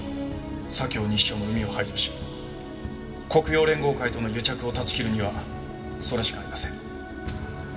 左京西署の膿を排除し黒洋連合会との癒着を断ち切るにはそれしかありません。